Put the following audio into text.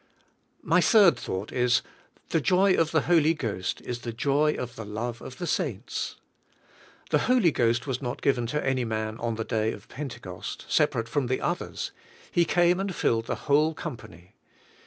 My third thought is: the joy of the Holy Ghost is the joy of the love of the saints. The Holjr 140 JO V IN THE HOL V GHOST Ghost was not given to any man on the day of Pentecost separate from the others; He came and filled the whole company.